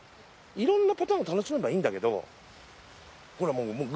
ろんなパターンを楽しめばいいんだけど。